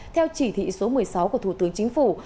theo chỉ thị số một mươi sáu của thủ tướng chính phủ